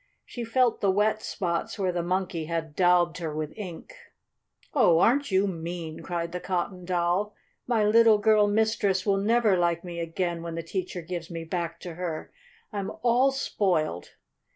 She felt the wet spots where the Monkey had daubed her with ink. "Oh! aren't you mean?" cried the Cotton Doll. "My little girl mistress will never like me again when the teacher gives me back to her. I'm all spoiled!"